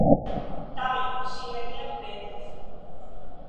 Tamen, ŝi neniam plendis.